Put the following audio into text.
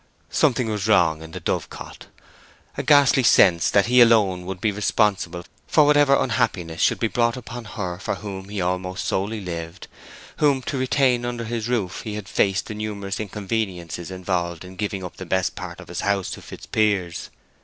Something was wrong in the dove cot. A ghastly sense that he alone would be responsible for whatever unhappiness should be brought upon her for whom he almost solely lived, whom to retain under his roof he had faced the numerous inconveniences involved in giving up the best part of his house to Fitzpiers.